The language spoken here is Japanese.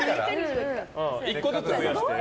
１個ずつ増やして。